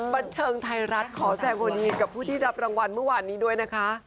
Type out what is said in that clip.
บันเทิงไทยรัฐขอแสดงความดีกับผู้ที่รับรางวัลเมื่อวานนี้ด้วยนะคะ